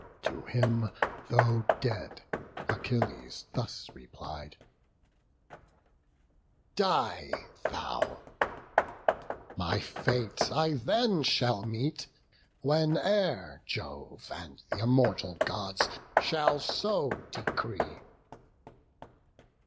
To him, though dead, Achilles thus replied: "Die thou! my fate I then shall meet, whene'er Jove and th' immortal Gods shall so decree."